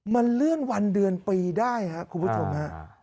มันเลื่อนวันเดือนปีได้คุณผู้ชมโครงคับ